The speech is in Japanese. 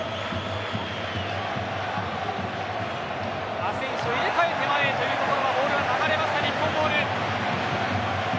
アセンシオ入れ替えて前へというところでボールが流れました日本ボール。